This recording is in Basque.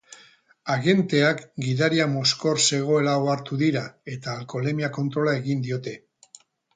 Agenteak gidaria mozkor zegoela ohartu dira eta alkoholemia-kontrola egin diote.